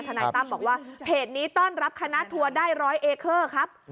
นายตั้มบอกว่าเพจนี้ต้อนรับคณะทัวร์ได้ร้อยเอเคอร์ครับ